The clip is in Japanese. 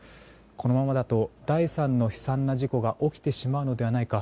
このままだと第３の悲惨な事故が起きてしまうのではないか。